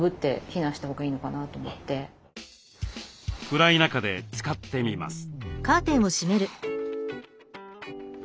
暗い中で使ってみます。